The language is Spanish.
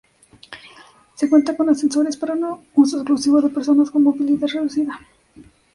Se cuenta con ascensores para uso exclusivo de personas con movilidad reducida.